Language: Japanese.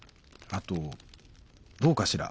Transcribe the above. あとどうかしら？